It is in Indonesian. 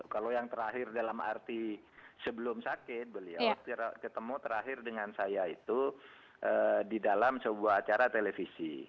kalau yang terakhir dalam arti sebelum sakit beliau ketemu terakhir dengan saya itu di dalam sebuah acara televisi